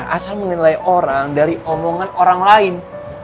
asal menilai orang dari omongan orang lain